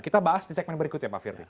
kita bahas di segmen berikut ya pak firly